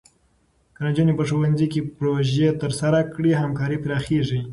که نجونې په ښوونځي کې پروژې ترسره کړي، همکاري پراخېږي.